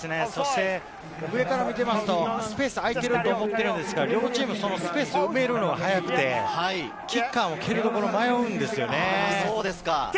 上から見ていますとスペースが空いていると思っているのですが、両チーム、そのスペースを埋めるのが早くて、キッカーも蹴るところに迷うんですよね。